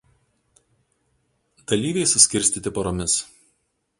Dalyviai suskirstyti poromis.